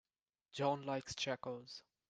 John likes checkers.